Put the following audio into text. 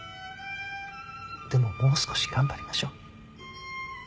でももう少し頑張りましょう。